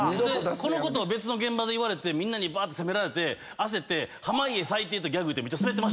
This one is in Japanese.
このことを別の現場で言われてみんなに責められて焦って「濱家サイテー」ってギャグ言うて。